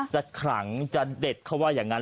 ขลังจะเด็ดเขาว่าอย่างนั้น